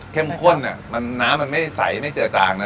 เข้มข้นเนี่ยมันน้ำมันไม่ใสไม่เจือจางเนอะ